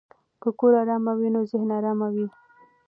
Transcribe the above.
که کور آرام وي نو ذهن آرام وي.